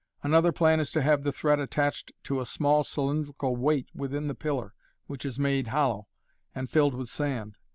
Another plan is to have the thread attached to a small cylindrical weight within the pillar, which is made hollow, and filled with sand.